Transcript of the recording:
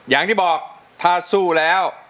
อย่างที่บอกถ้าสู้แล้ว